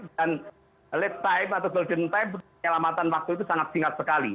dan lead time atau collision time penyelamatan waktu itu sangat singkat sekali